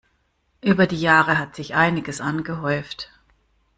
Über die Jahre hat sich einiges angehäuft.